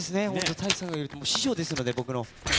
太一さんがいると、師匠ですので、僕の。